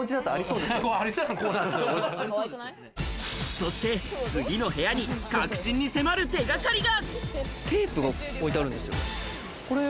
そして次の部屋に核心に迫る手掛かりが。